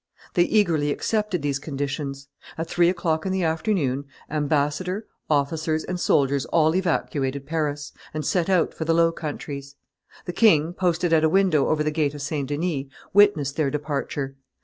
They eagerly accepted these conditions. At three o'clock in the afternoon, ambassador, officers, and soldiers all evacuated Paris, and set out for the Low Countries. The king, posted at a window over the gate of St. Denis, witnessed their departure.